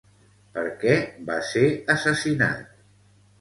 Per què va ser assassinat?